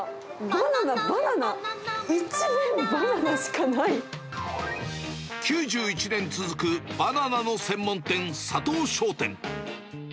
バナナ、バナナ、一面バナナしか９１年続くバナナの専門店、佐藤商店。